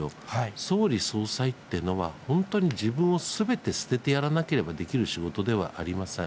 総理総裁っていうのは、本当に自分をすべて捨ててやらなければできる仕事ではありません。